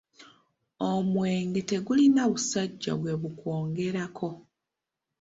Omwenge tegulina busajja gwebukwongerako!